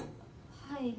はい。